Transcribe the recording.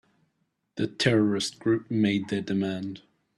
The terrorist group made their demand.